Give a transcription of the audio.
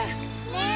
ねえ。